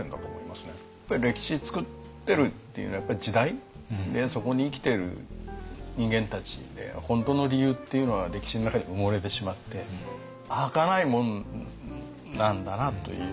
やっぱり歴史作ってるっていうのはやっぱり時代でそこに生きてる人間たちで本当の理由っていうのは歴史の中に埋もれてしまってはかないもんなんだなという。